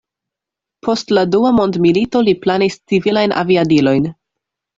Post la dua mondmilito, li planis civilajn aviadilojn.